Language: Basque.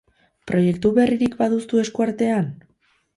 Proiektu berririk baduzu esku artean?